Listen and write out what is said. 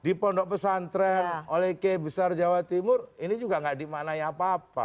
di pondok pesantren oleh kb besar jawa timur ini juga gak dimaknanya apa apa